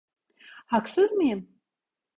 Haksız mıyım?